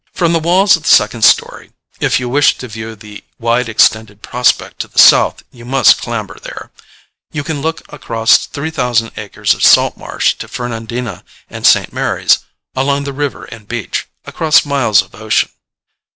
From the walls of the second story if you wish to view the wide extended prospect to the south you must clamber there you can look across three thousand acres of salt marsh to Fernandina and St. Mary's, along the river and beach, across miles of ocean.